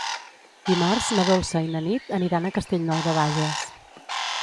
Dimarts na Dolça i na Nit aniran a Castellnou de Bages.